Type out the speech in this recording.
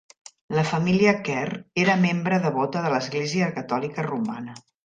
La família Kerr era membre devota de l'Església catòlica romana.